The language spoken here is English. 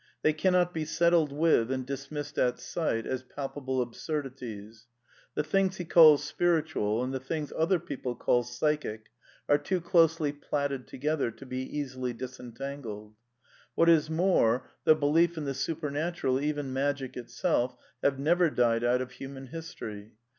They i^ cannot be settled with and dismissed at sight as palpable^* absurdities. The things he calls spiritual and the things other people call psychic are too closely platted together to be easily disentangled. What is more, the belief in the supernatural, even Magic itself, have never died out of human history.